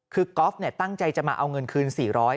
คือกอล์ฟตั้งใจจะมาเอาเงินคืน๔๐๐บาท